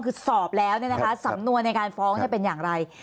คือสอบแล้วเนี่ยนะคะสำนวนในการฟ้องจะเป็นอย่างไร